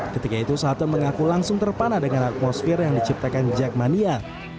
ketika itu saatem mengaku langsung terpana dengan atmosfer yang diciptakan jack mania